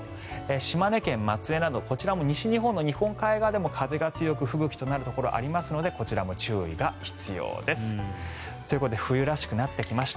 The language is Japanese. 島根県松江などこちらも西日本の日本海側でも風が強く吹雪となるところがありますのでこちらも注意が必要です。ということで冬らしくなってきました。